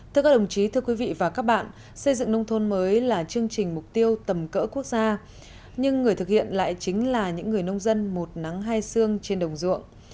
thưa các đồng chí thưa quý vị và các bạn xây dựng nông thôn mới là chương trình mục tiêu tầm cỡ quốc gia nhưng người thực hiện lại chính là những người nông dân một nắng hai xương trên đồng ruộng